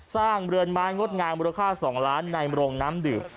เรือนไม้งดงามมูลค่า๒ล้านในโรงน้ำดื่ม